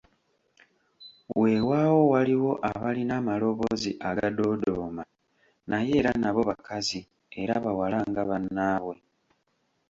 Weewaawo waliwo abalina amaloboozi agadoodooma naye era nabo bakazi era bawala nga bannaabwe.